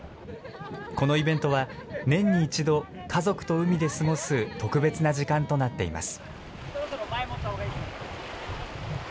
このイベントは、年に一度、家族と海で過ごす特別な時間となっています。